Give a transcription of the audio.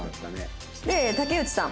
で竹内さん。